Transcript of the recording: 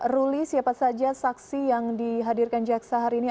ruli siapa saja saksi yang dihadirkan jaksa hari ini